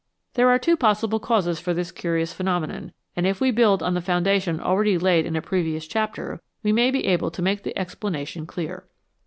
There are two possible causes for this curious phenomenon, and if we build on the foundation already laid in a previous chapter, we may be able to make the explanation clear.